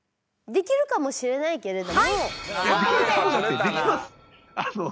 できるかもしれないけど。